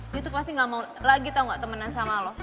dia tuh pasti gak mau lagi tau gak temenan sama lo